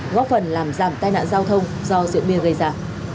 góp phần làm giảm tai nạn giao thông do rượu bia gây ra